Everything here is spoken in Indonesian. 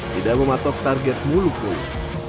tidak mematok target muluk muluk